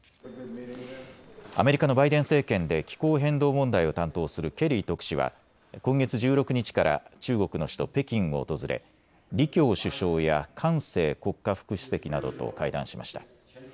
アメリカのバイデン政権で気候変動問題を担当するケリー特使は今月１６日から中国の首都・北京を訪れ李強首相や韓正国家副主席などと会談しました。